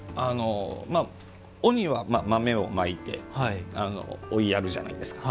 鬼は、豆をまいて追いやるじゃないですか。